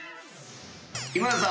今田さん